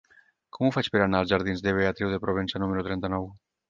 Com ho faig per anar als jardins de Beatriu de Provença número trenta-nou?